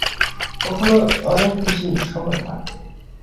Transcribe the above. কখনো অনেক বেশি সময় থাকে।